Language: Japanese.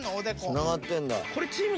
つながってんだ。